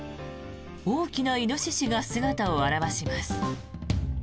大きなイノシシが姿を現します。